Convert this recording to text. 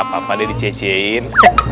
nggak apa apa deh dicecehin